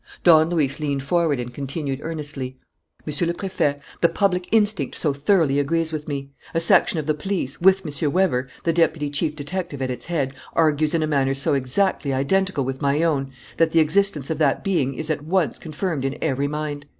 Don Luis leaned forward and continued earnestly: "Monsieur le Préfet, the public instinct so thoroughly agrees with me, a section of the police, with M. Weber, the deputy chief detective at its head, argues in a manner so exactly identical with my own, that the existence of that being is at once confirmed in every mind.